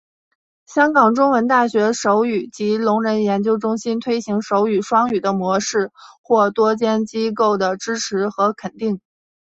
香港中文大学手语及聋人研究中心推行手语双语的模式获多间机构的支持和肯定。